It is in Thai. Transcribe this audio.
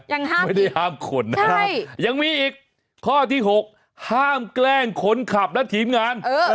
ยังห้ามผีใช่ยังมีอีกข้อที่๖ห้ามแกล้งคนขับและทีมงาน